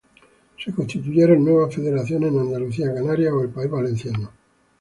Se constituyeron nuevas federaciones en Andalucía, Canarias o el País Valenciano.